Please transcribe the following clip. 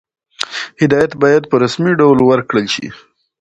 هدایت باید په رسمي ډول ورکړل شي.